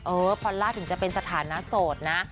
พอลล่าถึงจะเป็นสถานะโสดนะ